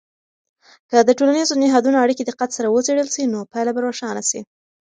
که د ټولنیزو نهادونو اړیکې دقت سره وڅیړل سي، نو پایله به روښانه سي.